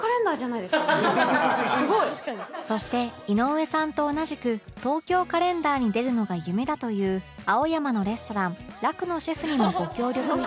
すごい！そして井上さんと同じく『東京カレンダー』に出るのが夢だという青山のレストラン ＲＡＫＵ． のシェフにもご協力いただいて